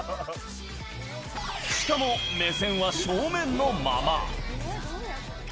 しかも目線は正面のまま。